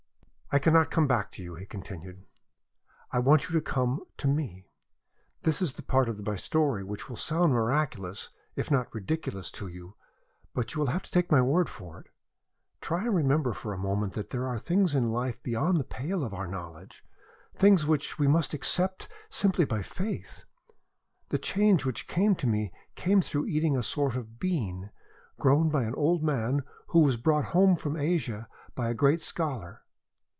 "I cannot come back to you," he continued. "I want you to come to me. This is the part of my story which will sound miraculous, if not ridiculous to you, but you will have to take my word for it. Try and remember for a moment that there are things in life beyond the pale of our knowledge, things which we must accept simply by faith. The change which came to me came through eating a sort of bean, grown by an old man who was brought home from Asia by a great scholar.